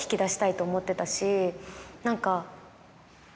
何か。